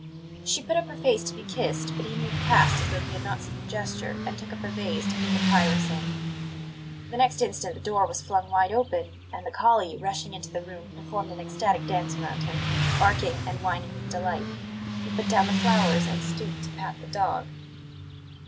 She put up her face to be kissed, but he moved past as though he had not seen the gesture, and took up a vase to put the pyrus in. The next instant the door was flung wide open, and the collie, rushing into the room, performed an ecstatic dance round him, barking and whining with delight. He put down the flowers and stooped to pat the dog.